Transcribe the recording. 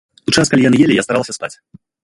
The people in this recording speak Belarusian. У час, калі яны елі, я старалася спаць.